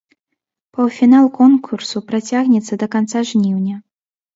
Паўфінал конкурсу працягнецца да канца жніўня.